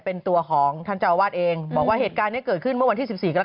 เป็นตัวของท่านเจ้าอาวาสเองบอกว่าเหตุการณ์นี้เกิดขึ้นเมื่อวันที่๑๔กรก